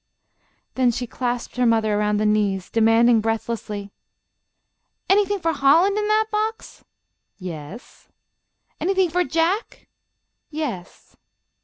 Then she clasped her mother around the knees, demanding, breathlessly: "Anything for Holland in that box?" "Yes." "Anything for Jack?" "Yes."